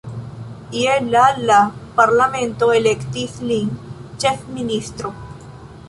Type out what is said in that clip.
Je la la parlamento elektis lin ĉefministro.